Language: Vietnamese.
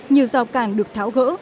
nhiều rào càng được tháo gỡ